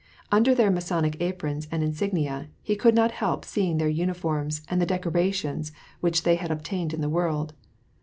Under their Masonic aprons and insignia, he could not help seeing their uniforms and the decorations which they had obtained in the world.